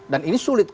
dan ini sulit